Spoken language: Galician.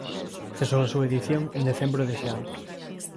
Cesou a súa edición en decembro dese ano.